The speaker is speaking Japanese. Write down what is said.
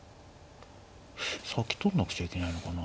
先取んなくちゃいけないのかな。